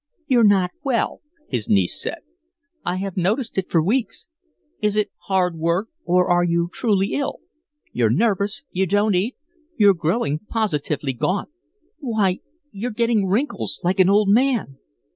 "You're not well," his niece said. "I have noticed it for weeks. Is it hard work or are you truly ill? You're nervous; you don't eat; you're growing positively gaunt. Why you're getting wrinkles like an old man."